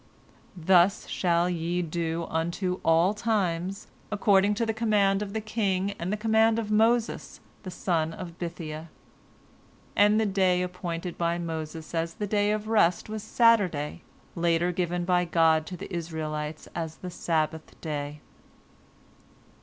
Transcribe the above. Thus shall ye do unto all times, according to the command of the king and the command of Moses the son of Bithiah." And the day appointed by Moses as the day of rest was Saturday, later given by God to the Israelites as the Sabbath day.